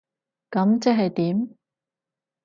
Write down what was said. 噉即係點？